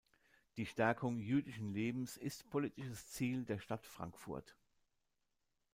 Die Stärkung jüdischen Lebens ist politisches Ziel der Stadt Frankfurt.